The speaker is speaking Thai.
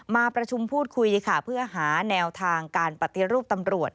มาประชุมพูดคุยค่ะเพื่อหาแนวทางการปฏิรูปตำรวจ